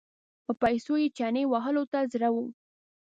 په پیسو یې چنې وهلو ته زړه و.